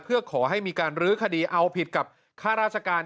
เพื่อขอให้มีการลื้อคดีเอาผิดกับค่าราชการ